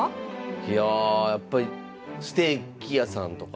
いやあやっぱりステーキ屋さんとか。